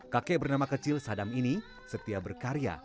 kakek bernama kecil sadam ini setia berkarya